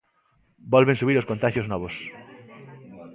Volven subir os contaxios novos.